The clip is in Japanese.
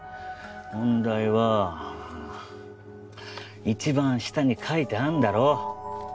問題は一番下に書いてあんだろ。